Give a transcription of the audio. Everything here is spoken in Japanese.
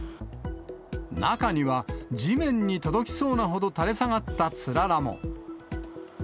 中には、地面に届きそうなほど垂れ下がったつららも。